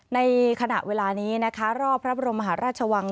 ในขณะเวลานี้นะคะรอบพระบรมมหาราชวัง